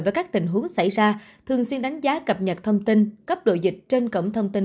với các tình huống xảy ra thường xuyên đánh giá cập nhật thông tin cấp độ dịch trên cổng thông tin